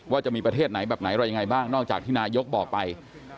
จะมีประเทศไหนแบบไหนอะไรยังไงบ้างนอกจากที่นายกบอกไป